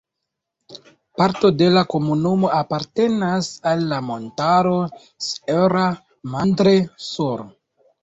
Parto de la komunumo apartenas al la montaro "Sierra Madre Sur".